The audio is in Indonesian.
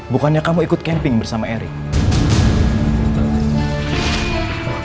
bukannya kamu ikut camping bersama erick